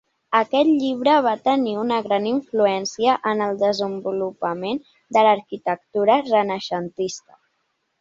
Aquest llibre va tenir una gran influència en el desenvolupament de l'arquitectura renaixentista.